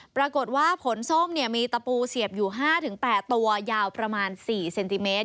ปรากฏว่าผลส้มมีตะปูเสียบอยู่๕๘ตัวยาวประมาณ๔เซนติเมตร